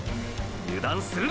油断するな！！